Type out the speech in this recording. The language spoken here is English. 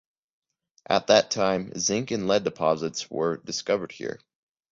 At that time, zinc and lead deposits were discovered here.